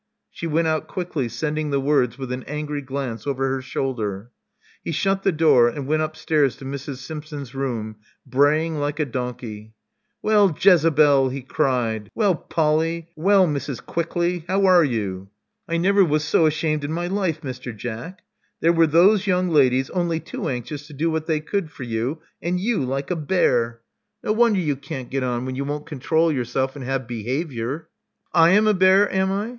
She went out quickly, sending the words with an angry glance over her shoulder. He shut the door, and went upstairs to Mrs. Simpson's room, braying like a donkey. Well, Jezebel," he cried. Well, Polly. Well, Mrs. Quickly. How are you?" *'I never was so ashamed in my life, Mr. Jack. There were those young ladies only too anxious to do what they could for you, and you like a bear. No Love Among the Artists 99 wonder you can't get on, when you won't control your self and have behavior." I am a bear, am I?